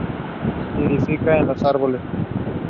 He saw action in five games and totaled five points.